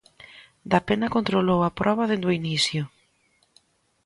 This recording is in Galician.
Dapena controlou a proba dende o inicio.